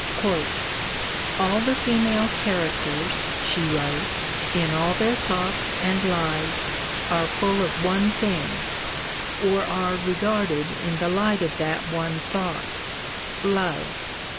_ 'All the female characters,' she wrote, 'in all their thoughts and lives, are full of one thing, or are regarded in the light of that one thought, love!